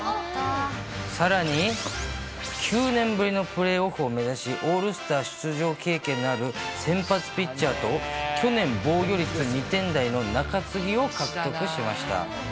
さらに９年ぶりのプレーオフを目指し、オールスター出場経験のある先発ピッチャーと、去年、防御率２点台の中継ぎを獲得しました。